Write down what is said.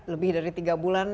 lebih dari tiga bulan